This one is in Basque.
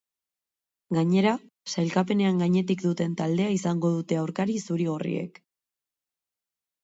Gainera, sailkapenean gainetik duten taldea izango dute aurkari zuri-gorriek.